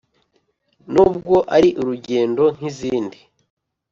nubwo ari urugendo nk’izindi.